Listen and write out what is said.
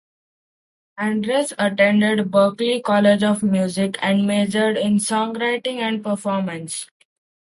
Andress attended Berklee College of Music and majored in songwriting and performance.